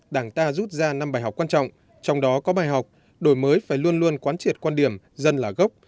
đảng ta rút ra năm bài học quan trọng trong đó có bài học đổi mới phải luôn luôn quán triệt quan điểm dân là gốc